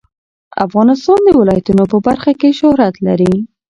افغانستان د ولایتونو په برخه کې شهرت لري.